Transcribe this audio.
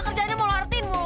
kerjaannya mau ngeluarkan mau